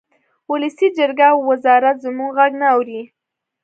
ولسي جرګه او وزارت زموږ غږ نه اوري